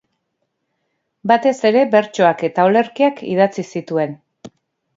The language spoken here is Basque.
Batez ere bertsoak eta olerkiak idatzi zituen.